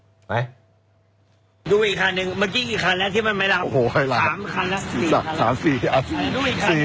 ปี่ปี๊ดลงเดี๋ยวคุณจะส่งให้พี่ชุวิตเลย